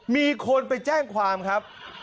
มีคนไปแจ้งความครับ